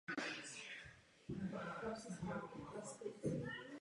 Kompozičně se dělí na tři části.